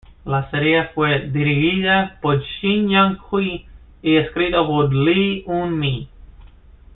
La serie fue dirigida por Shin Yong-hwi y escrita por Lee Eun-mi.